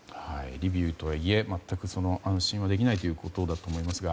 リビウとはいえ全く安心はできないということだと思いますが。